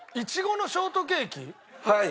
はい。